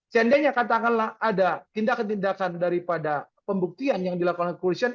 seandainya katakanlah ada tindakan tindakan daripada pembuktian yang dilakukan oleh kepolisian